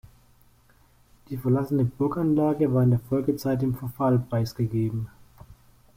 Die verlassene Burganlage war in der Folgezeit dem Verfall preisgegeben.